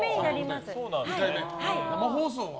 生放送は？